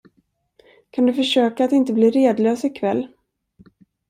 Kan du försöka att inte bli redlös ikväll?